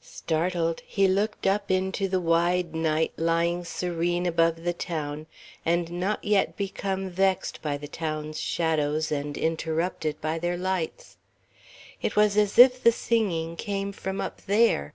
Startled, he looked up into the wide night lying serene above the town, and not yet become vexed by the town's shadows and interrupted by their lights. It was as if the singing came from up there.